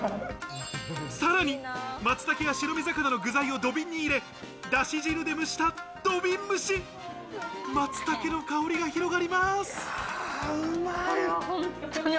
さらに松茸や白身魚の具材を土瓶に入れ、だし汁で蒸した土瓶蒸し、松茸の香りが広がります。